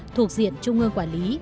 thuộc diện trung ương quảng trị